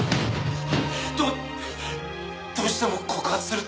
どどうしても告発するっていうのか？